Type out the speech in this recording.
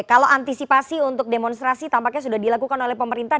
kalau antisipasi untuk demonstrasi tampaknya sudah dilakukan oleh pemerintah